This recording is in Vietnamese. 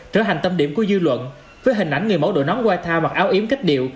trở hành tâm điểm của dư luận với hình ảnh người mẫu đội nón white house mặc áo yếm kết điệu